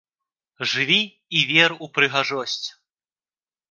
Жыві і вер у прыгажосць!